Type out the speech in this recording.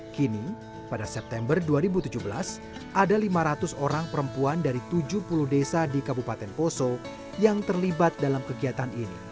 kini pada september dua ribu tujuh belas ada lima ratus orang perempuan dari tujuh puluh desa di kabupaten poso yang terlibat dalam kegiatan ini